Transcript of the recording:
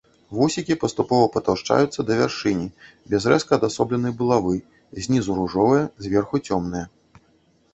Вусікі паступова патаўшчаюцца да вяршыні, без рэзка адасобленай булавы, знізу ружовыя, зверху цёмныя.